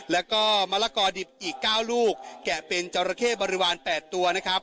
แล้วก็มะละกอดิบอีก๙ลูกแกะเป็นจราเข้บริวาร๘ตัวนะครับ